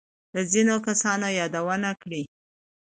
له ځینو کسانو يادونه کړې.